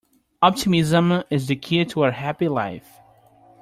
Optimism is the key to a happy life.